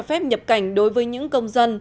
phép nhập cảnh đối với những công dân